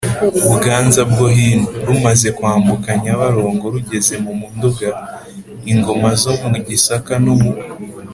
buganza bwo hino. rumaze kwambuka nyabarongo rugeze mu nduga, ingoma zo mu gisaka no mu